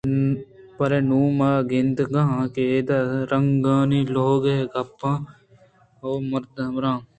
بلے نُوں من گِندگاہاں کہ اِدءَرنگانی لُوہیگے ءَکپان ءُ مِراں